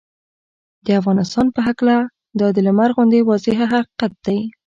د افغانستان په هکله دا د لمر غوندې واضحه حقیقت دی